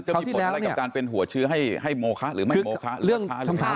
จะมีผลอะไรกับการเป็นหัวเชื้อให้โมคะหรือไม่โมคะลูกค้า